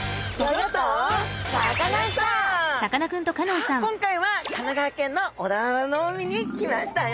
さあ今回は神奈川県の小田原の海に来ましたよ。